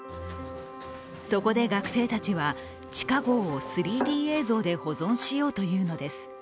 そこで学生たちは地下壕を３Ｄ映像で保存しようというのです。